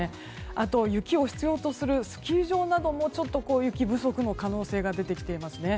あと、雪を必要とするスキー場なども雪不足の可能性が出てきていますね。